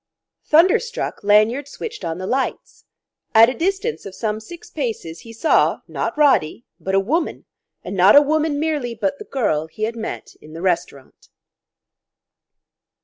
Thunderstruck, Lanyard switched on the lights. At a distance of some six paces he saw, not Roddy, but a woman, and not a woman merely, but the girl he had met in the restaurant.